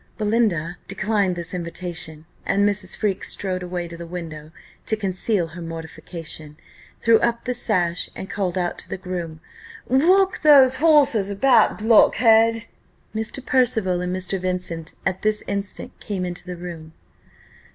Belinda declined this invitation, and Mrs. Freke strode away to the window to conceal her mortification, threw up the sash, and called out to her groom, "Walk those horses about, blockhead!" Mr. Percival and Mr. Vincent at this instant came into the room.